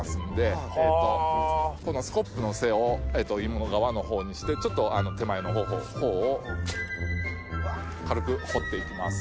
このスコップの背をいも側のほうにしてちょっと手前のほうを軽く掘って行きます。